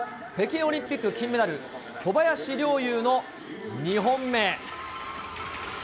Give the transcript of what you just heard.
北京オリンピック金メダル、小林陵侑の２本目。